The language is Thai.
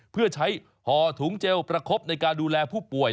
เพื่อใช้ห่อถุงเจลประคบในการดูแลผู้ป่วย